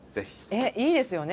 えっいいですよね？